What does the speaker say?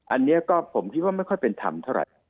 อันนี้ก็ผมคิดว่าไม่ค่อยเป็นธรรมเท่าไหร่